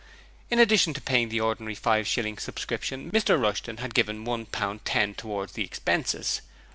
In addition to paying the ordinary five shilling subscription, Mr Rushton had given one pound ten towards the expenses.